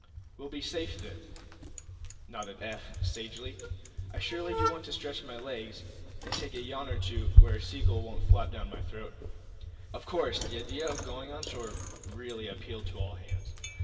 "We'll be safe, then," nodded Eph, sagely. "I surely do want to stretch my legs, and take a yawn or two where a sea gull won't flap down my throat." Of course, the idea of going on shore really appealed to all hands.